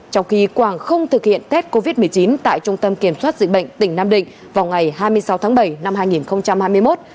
trong khi quảng không thực hiện tết covid một mươi chín tại trung tâm kiểm soát dịch bệnh tỉnh nam định vào ngày hai mươi sáu tháng bảy năm hai nghìn hai mươi một